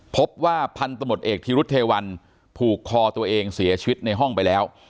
พบว่าพันธมตเอกธีรุธเทวันผูกคอตัวเองเสียชีวิตในห้องไปแล้ว